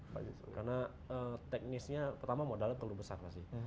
karena teknisnya pertama modalnya terlalu besar pasti